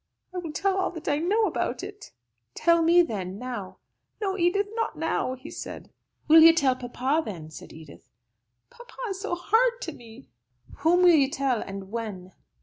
"I will tell all that I know about it." "Tell me, then, now." "No, Edith, not now," he said. "Will you tell papa, then?" said Edith. "Papa is so hard to me." "Whom will you tell, and when?"